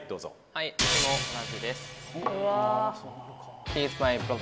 はい僕も同じです。